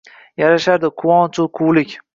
Yarashardi quvonch-u quvlik